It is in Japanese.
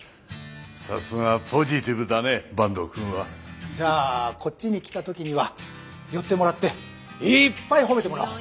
さすがポジティブだね坂東くんは。じゃあこっちに来た時には寄ってもらっていっぱい褒めてもらおう。